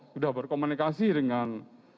sudah berkomunikasi dengan